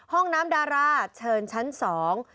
ห้องน้ำดาราเชิญชั้นสอง